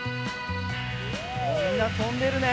みんなとんでるね。